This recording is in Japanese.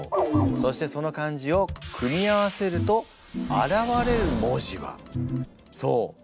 そしてその漢字を組み合わせると現れる文字はそう。